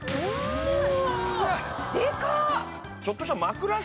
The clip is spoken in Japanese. でかっ！